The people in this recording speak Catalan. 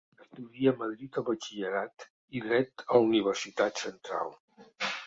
Estudia a Madrid el batxillerat i Dret a la Universitat Central.